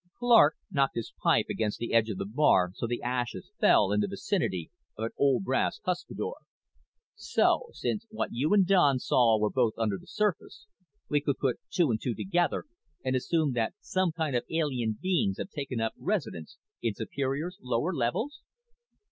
Clark knocked his pipe against the edge of the bar so the ashes fell in the vicinity of an old brass cuspidor. "So, since what you and Don saw were both under the surface, we could put two and two together and assume that some kind of alien beings have taken up residence in Superior's lower levels?"